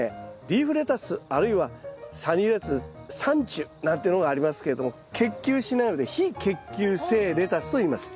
リーフレタスあるいはサニーレタスサンチュなんてのがありますけれども結球しないので非結球性レタスといいます。